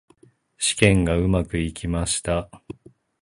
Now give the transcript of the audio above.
試験がうまくいきました。